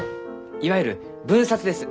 いわゆる分冊です。